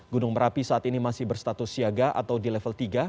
gunung merapi saat ini masih berstatus siaga atau di level tiga